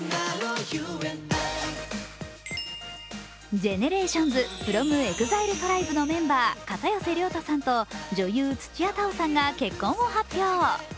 ＧＥＮＥＲＡＴＩＯＮＳｆｒｏｍＥＸＩＬＥＴＲＩＢＥのメンバー、片寄涼太さんと女優・土屋太鳳さんが結婚を発表。